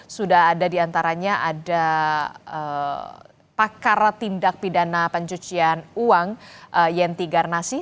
sudah ada diantaranya ada pakar tindak pidana pencucian uang yenti garnasi